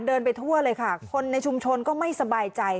เดินไปทั่วเลยค่ะคนในชุมชนก็ไม่สบายใจ